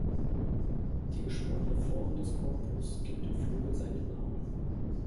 Die geschwungene Form des Korpus gibt dem Flügel seinen Namen.